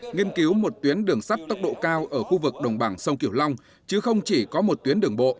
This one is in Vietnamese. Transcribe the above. nghiên cứu một tuyến đường sắt tốc độ cao ở khu vực đồng bằng sông kiểu long chứ không chỉ có một tuyến đường bộ